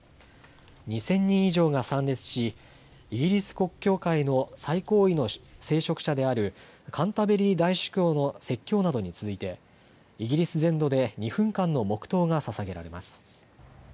２０００人以上が参列し、イギリス国教会の最高位の聖職者であるカンタベリー大主教の説教などに続いてイギリス全土で２分間の黙とうがささげられます。